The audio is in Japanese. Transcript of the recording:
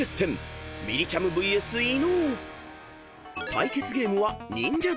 ［対決ゲームは］